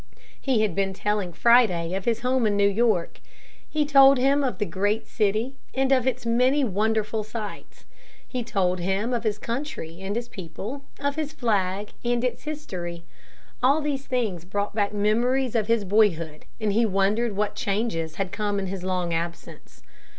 He had been telling Friday of his home in New York. He told him of the great city, and of its many wonderful sights. He told him of his country and people, of his flag and its history. All these things brought back memories of his boyhood and he wondered what changes had come in his long absence.